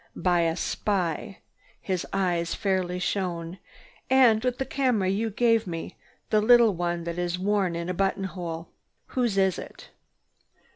"By a spy!" His eyes fairly shone. "And with the camera you gave me, the little one that is worn in a button hole. Whose is it?"